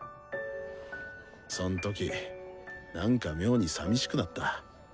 そん時なんか妙にさみしくなった。